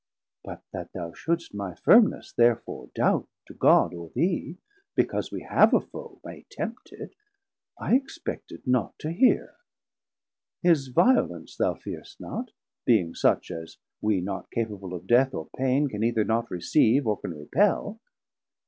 But that thou shouldst my firmness therefore doubt To God or thee, because we have a foe 280 May tempt it, I expected not to hear. His violence thou fearst not, being such, As wee, not capable of death or paine, Can either not receave, or can repell.